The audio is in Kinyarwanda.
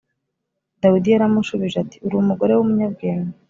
Dawidi yaramushubije ati uri umugore w umunyabwenge